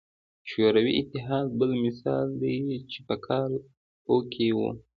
شوروي اتحاد بل مثال دی چې په کال او کې وو.